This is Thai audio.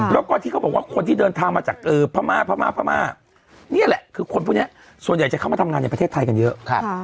แล้วก็ที่เขาบอกว่าคนที่เดินทางมาจากพม่าพม่าพม่านี่แหละคือคนพวกนี้ส่วนใหญ่จะเข้ามาทำงานในประเทศไทยกันเยอะ